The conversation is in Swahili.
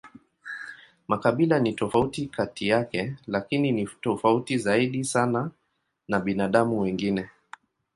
Makabila ni tofauti kati yake, lakini ni tofauti zaidi sana na binadamu wengine.